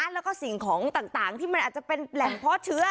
แล้วก็สิ่งของต่างที่มันอาจจะเป็นแหล่งเพาะเชื้อ